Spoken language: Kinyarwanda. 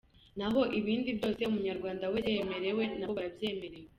Na ho ibindi byose umunyarwanda wese yemerewe, na bo barabyemerewe.